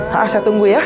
hah saya tunggu ya